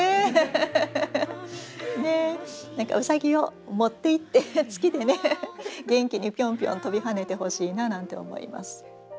何かうさぎを持っていって月でね元気にピョンピョン跳びはねてほしいななんて思います。